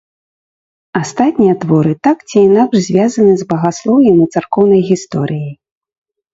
Астатнія творы так ці інакш звязаны з багаслоўем і царкоўнай гісторыяй.